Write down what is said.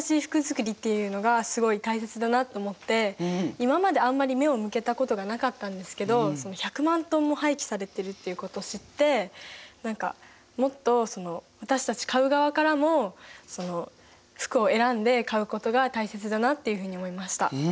今まであんまり目を向けたことがなかったんですけど１００万トンも廃棄されてるっていうことを知って何かもっと私たち買う側からも服を選んで買うことが大切だなっていうふうに思いました。